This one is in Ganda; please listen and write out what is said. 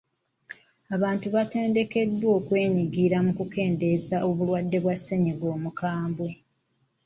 Abantu bateekeddwa okwenyigira mu kukendeeza obulwadde bwa ssennyiga omukambwe.